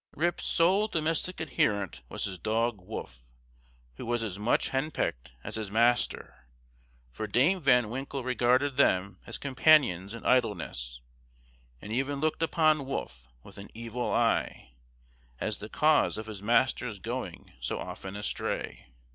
Rip's sole domestic adherent was his dog Wolf, who was as much henpecked as his master; for Dame Van Winkle regarded them as companions in idleness, and even looked upon Wolf with an evil eye, as the cause of his master's going so often astray.